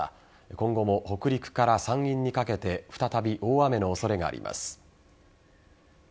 今後も北陸から山陰にかけて再び大雨の恐れがあります。